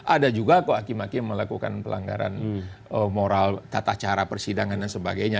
ada juga kok hakim hakim melakukan pelanggaran moral tata cara persidangan dan sebagainya